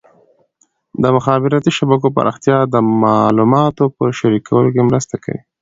د مخابراتي شبکو پراختیا د معلوماتو په شریکولو کې مرسته کوي.